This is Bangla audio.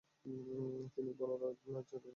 তিনি বনু নাজ্জার বংশোদ্ভূত।